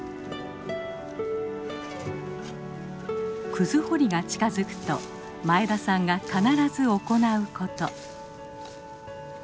クズ掘りが近づくと前田さんが必ず行うこと。